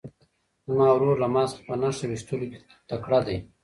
زما ورور له ما څخه په نښه ویشتلو کې تکړه دی.